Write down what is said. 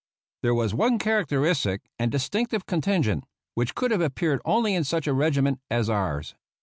There was one characteristic and distinctive con tingent which could have appeared only in such a regiment as ours.